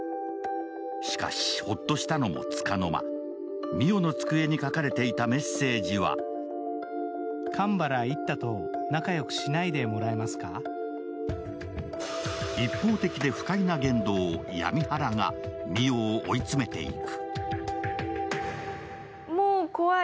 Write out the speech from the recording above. しかし、ほっとしたのもつかの間、澪の机に書かれていたメッセージは一方的で不快な言動、闇ハラが澪を追い詰めていく。